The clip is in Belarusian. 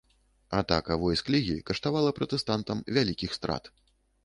Атака войск лігі каштавала пратэстантам вялікіх страт.